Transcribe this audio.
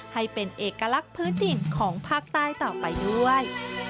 ให้เป็นเอกลักษณ์พื้นถิ่นของภาคใต้ต่อไปด้วย